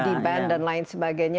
di band dan lain sebagainya